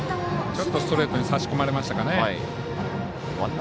ちょっとストレートに差し込まれましたかね。